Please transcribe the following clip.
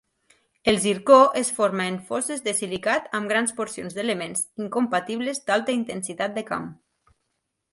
El zircó es forma en foses de silicat amb grans porcions d'elements incompatibles d'alta intensitat de camp.